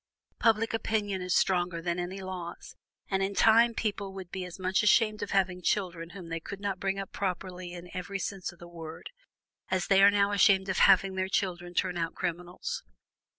"Public opinion is stronger than any laws, and in time people would be as much ashamed of having children whom they could not bring up properly in every sense of the word, as they are now ashamed of having their children turn out criminals.